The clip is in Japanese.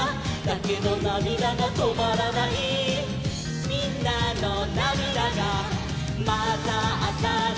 「だけどなみだがとまらない」「みんなのなみだがまざったら」